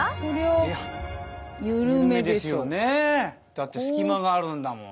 だって隙間があるんだもん。